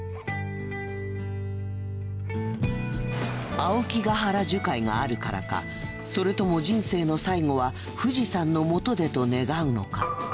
青木ヶ原樹海があるからかそれとも人生の最後は富士山のもとでと願うのか。